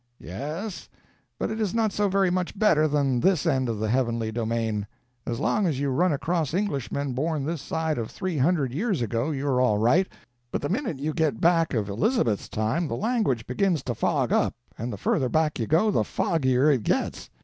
"Yes, but it is not so very much better than this end of the heavenly domain. As long as you run across Englishmen born this side of three hundred years ago, you are all right; but the minute you get back of Elizabeth's time the language begins to fog up, and the further back you go the foggier it gets.